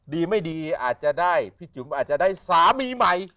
ดีไม่ดีอาจจะได้พี่จุ๋มอาจจะได้สามีใหม่